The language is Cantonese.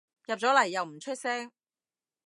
入咗嚟又唔出聲